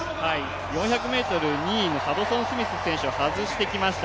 ４００ｍ、２位のハドソンスミス選手を外してきました。